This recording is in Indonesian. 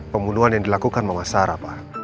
pembunuhan yang dilakukan mama sarah pak